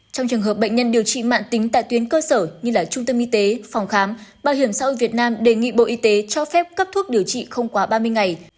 trong trường hợp bệnh nhân điều trị mạng tính tại tuyến cơ sở như trung tâm y tế phòng khám bảo hiểm xã hội việt nam đề nghị bộ y tế cho phép cấp thuốc điều trị không quá ba mươi ngày